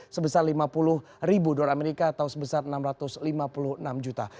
sebesar lima puluh ribu dolar amerika atau sebesar enam ratus lima puluh enam juta